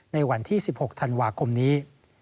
ในวันที่๑๖ธันวาคมนี้